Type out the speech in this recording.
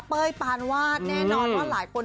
เป้ยปานวาดแน่นอนว่าหลายคน